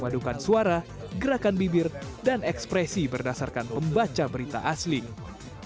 xinhua news mengklaim meski presenter virtual tersebut tidak bisa diperkenalkan